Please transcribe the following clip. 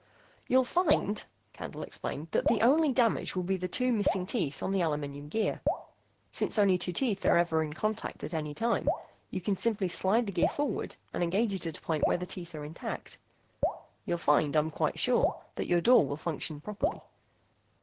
"You'll find," Candle explained, "that the only damage will be the two missing teeth on the aluminum gear. Since only two teeth are ever in contact at any time, you can simply slide the gear forward and engage it at a point where the teeth are intact. You'll find, I'm quite sure, that your door will function properly.